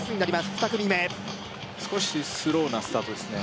２組目少しスローなスタートですね